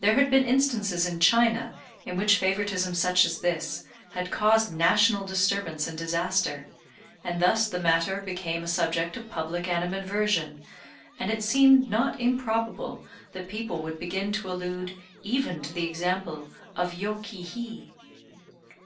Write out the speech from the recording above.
There had been instances in China in which favoritism such as this had caused national disturbance and disaster; and thus the matter became a subject of public animadversion, and it seemed not improbable that people would begin to allude even to the example of Yô ki hi.